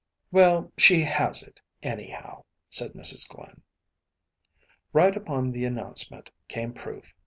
“Well, she has it, anyhow,‚ÄĚ said Mrs. Glynn. Right upon the announcement came proof.